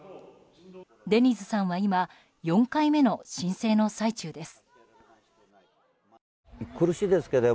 デニズさんは今、４回目の申請の最中です。